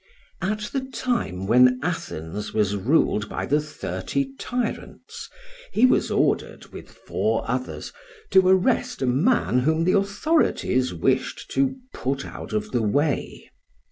At the time when Athens was ruled by the thirty tyrants he was ordered, with four others, to arrest a man whom the authorities wished to put out of the way.